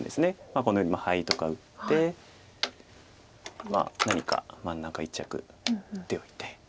このようにハイとか打ってまあ何か真ん中一着手を入れて。